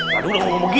betul itu kemana kemana